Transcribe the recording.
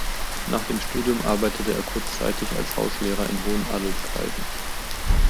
Nach dem Studium arbeitete er kurzzeitig als Hauslehrer in hohen Adelskreisen.